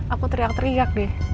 aku teriak teriak deh